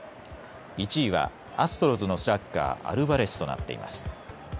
１位はアストロズのスラッガー、アルバレスとなっています。